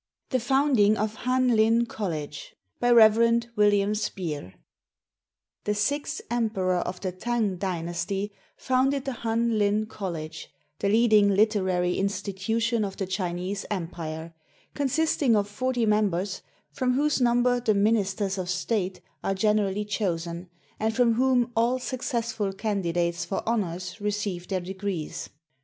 THE FOUNDING OF HAN LIN COLLEGE BY REV. WILLIAM SPEER The sixth emperor of the Tang Dynasty founded the Han lin College, the leading Hterary institution of the Chinese Empire, consisting of forty members, from whose number the ministers of state are generally chosen, and from whom all successful candidates for honors receive their degrees.